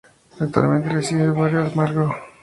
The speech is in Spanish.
Actualmente reside en el barrio Almagro.